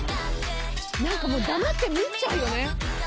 「何かもう黙って見入っちゃうよね」